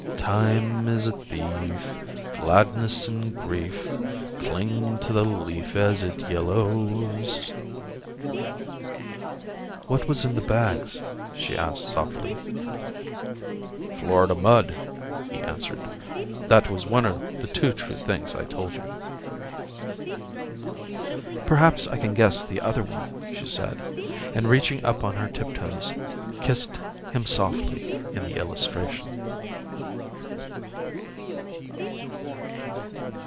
"Time is a thief; Gladness and grief Cling to the leaf As it yellows " "What was in the bags?" she asked softly. "Florida mud," he answered. "That was one of the two true things I told you." "Perhaps I can guess the other one," she said; and reaching up on her tiptoes she kissed him softly in the illustration.